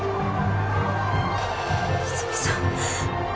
泉さん。